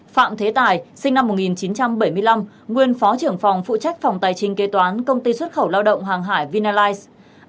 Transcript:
sáu phạm thế tài sinh năm một nghìn chín trăm bảy mươi năm nguyên phó trưởng phòng phụ trách phòng tài trình kế toán công ty xuất khẩu lao động hàng hải vinalize